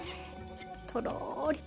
とろりと。